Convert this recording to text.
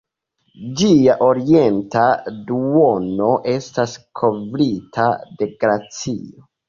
Ĝia orienta duono estas kovrita de glacio.